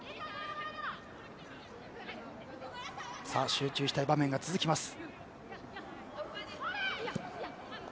集中したい場面が続きます。